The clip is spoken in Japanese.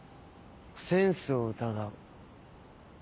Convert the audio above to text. センスを疑う。